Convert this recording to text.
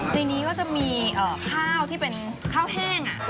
ในนี้ก็จะมีข้าวที่เป็นข้าวแห้ง